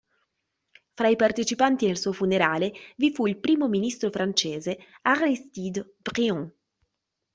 Fra i partecipanti al suo funerale vi fu il primo ministro francese Aristide Briand.